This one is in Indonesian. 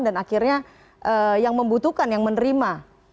dan akhirnya yang membutuhkan yang menerima